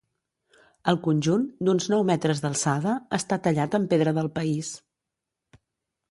El conjunt, d'uns nou metres d'alçada, està tallat en pedra del país.